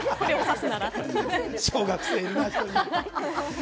小学生いるな、１人。